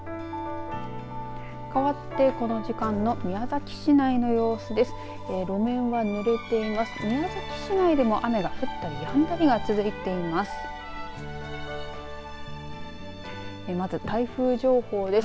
かわってこの時間の宮崎市内の様子です。